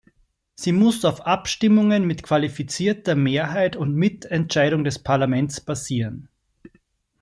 Sie muss auf Abstimmungen mit qualifizierter Mehrheit und Mitentscheidung des Parlaments basieren.